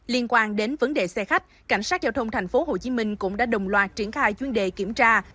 liên quan đến vấn đề xe khách cảnh sát giao thông tp hcm cũng đã đồng loạt triển khai chuyên đề kiểm tra